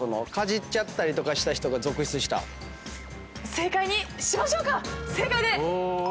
正解にしましょうか⁉正解で！